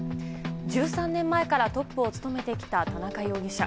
１３年前からトップを務めてきた田中容疑者。